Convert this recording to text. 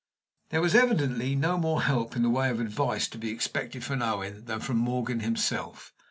There was, evidently, no more help in the way of advice to be expected from Owen than from Morgan himself.